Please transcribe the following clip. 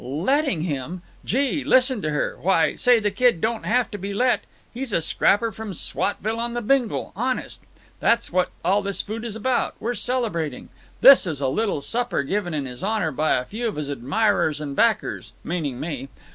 "Letting him! Gee! Listen to her! Why, say, that kid don't have to be let! He's a scrapper from Swatville on the Bingle. Honest! That's what all this food is about. We're celebrating. This is a little supper given in his honour by a few of his admirers and backers, meaning me.